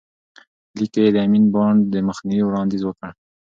لیک کې یې د امین بانډ د مخنیوي وړاندیز وکړ.